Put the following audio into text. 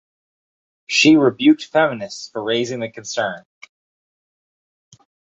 She rebuked feminists for raising the concern.